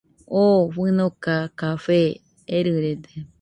Oo fɨnoka café erɨrede